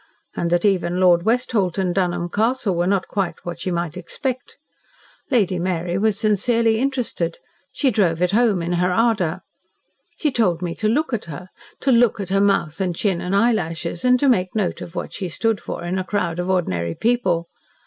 And that even Lord Westholt and Dunholm Castle were not quite what she might expect. Lady Mary was sincerely interested. She drove it home in her ardour. She told me to LOOK at her to LOOK at her mouth and chin and eyelashes and to make note of what she stood for in a crowd of ordinary people.